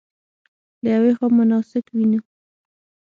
له یوې خوا مناسک وینو.